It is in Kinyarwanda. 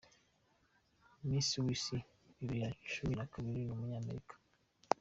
Misi w’Isi bibiri na cumi nakabiri ni Umunyamerika